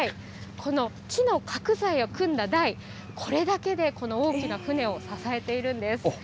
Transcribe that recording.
この木の角材を組んだ台、これだけでこの大きな船を支えているんです。